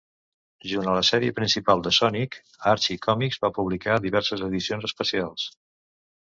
Junt a la sèrie principal de Sonic, Archie Comics va publicar diverses edicions especials.